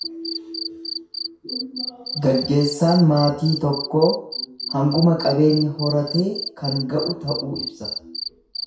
Gaggeessaan maatii tokkoo hanguma qabeenya horatee kan ga'u ta'uu ibsa.